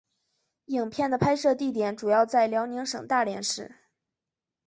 影片的拍摄地点主要在辽宁省大连市。